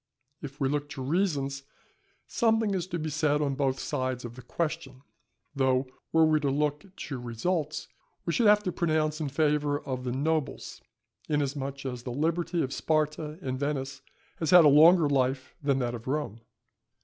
If we look to reasons, something is to be said on both sides of the question; though were we to look to results, we should have to pronounce in favour of the nobles, inasmuch as the liberty of Sparta and Venice has had a longer life than that of Rome.